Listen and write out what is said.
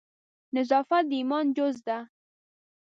نظافت د ایمان جز ده